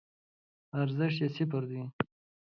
ارزښت یی صفر دی